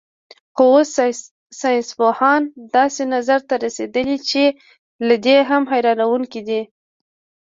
خو اوس ساینسپوهان داسې نظر ته رسېدلي چې له دې هم حیرانوونکی دی.